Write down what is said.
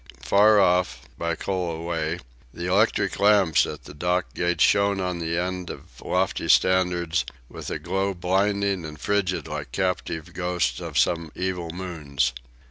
Far off, Byculla way, the electric lamps at the dock gates shone on the end of lofty standards with a glow blinding and frigid like captive ghosts of some evil moons.